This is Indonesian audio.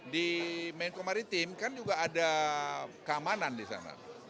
di kemenko kemaritiman kan juga ada keamanan di sana